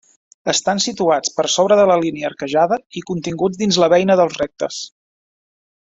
Estan situats per sobre de la línia arquejada i continguts dins la beina dels rectes.